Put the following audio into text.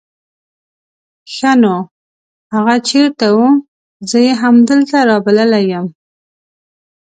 ښا نو هغه چېرته وو؟ زه يې همدلته رابللی يم.